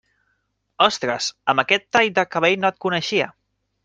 Ostres, amb aquest tall de cabell no et coneixia.